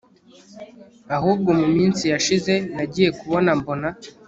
ahubwo mu minsi yashize nagiye kubona mbona